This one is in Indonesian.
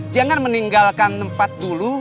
jangan meninggalkan tempat dulu